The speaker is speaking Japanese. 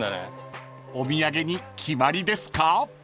［お土産に決まりですか？］